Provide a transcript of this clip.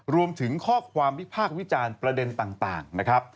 รวมถึงข้อความวิพากษ์วิจารณ์ประเด็นต่างนะครับ